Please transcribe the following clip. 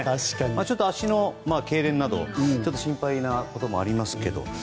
ちょっと、足のけいれんなど心配なこともありますけども。